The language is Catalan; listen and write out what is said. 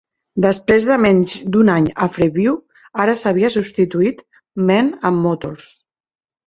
Després de menys d'un any a Freeview, ara s'havia substituït Men and Motors.